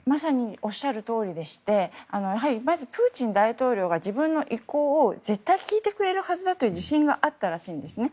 おっしゃるとおりでしてプーチン大統領が自分の意向を絶対聞いてくれるはずだという自信があったらしいんですね。